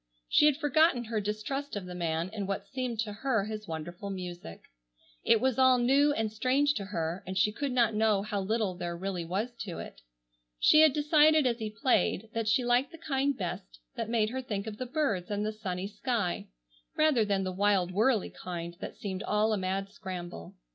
She had forgotten her distrust of the man in what seemed to her his wonderful music. It was all new and strange to her, and she could not know how little there really was to it. She had decided as he played that she liked the kind best that made her think of the birds and the sunny sky, rather than the wild whirlly kind that seemed all a mad scramble.